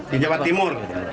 di jawa timur